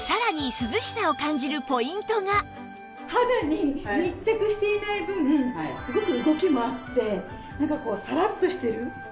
肌に密着していない分すごく動きもあってなんかこうサラッとしてる。